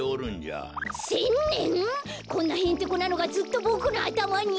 こんなへんてこなのがずっとボクのあたまに？